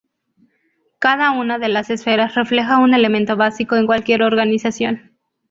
Cada una de las esferas refleja un elemento básico en cualquier organización.